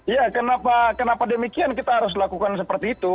ya kenapa demikian kita harus lakukan seperti itu